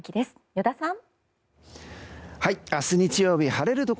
依田さん。